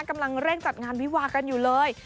กำลังเร่งจัดงานวิวากันอยู่เลย